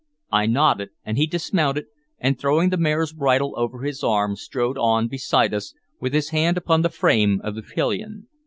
I nodded, and he dismounted, and throwing the mare's bridle over his arm strode on beside us, with his hand upon the frame of the pillion.